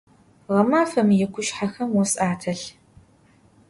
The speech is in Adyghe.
Ğemafemi yikhuşshexem vos atêlh.